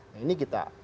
nah ini kita